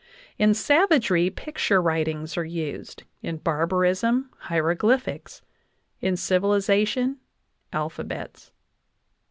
In savagery, picture writings are used ; in barbarism, hiero glyphics ; in civilization, alphabets.